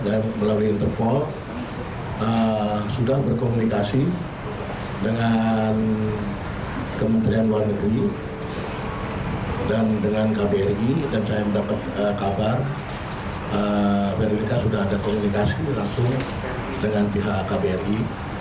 dan melalui interval sudah berkomunikasi dengan kementerian luar negeri dan dengan kbri dan saya mendapat kabar veronika sudah ada komunikasi langsung dengan pihak kbri